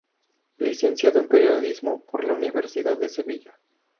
Licenciado en periodismo por la Universidad de Sevilla.